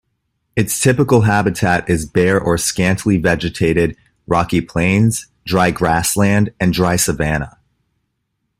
Its typical habitat is bare or scantily-vegetated, rocky plains, dry grassland and dry savannah.